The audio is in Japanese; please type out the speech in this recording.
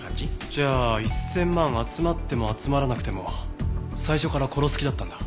じゃあ１０００万集まっても集まらなくても最初から殺す気だったんだ。